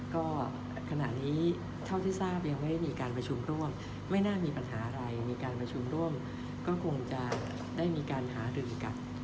ก็ขณะนี้เท่าที่ทราบยังไม่ได้มีการประชุมร่วมไม่น่ามีปัญหาอะไรมีการประชุมร่วมก็คงจะได้มีการหารือกัน